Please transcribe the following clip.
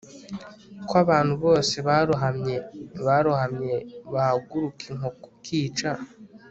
ko abantu bose barohamye barohamye bahaguruka inkoko ikica